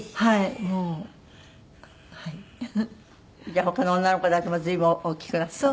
じゃあ他の女の子たちも随分大きくなった？